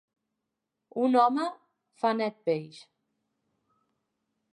Un home fa net peix.